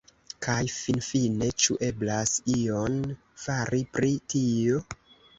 Kaj finfine, ĉu eblas ion fari pri tio?